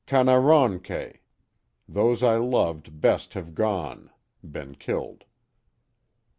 Ka na ron que — Those I loved best have gone (been killed).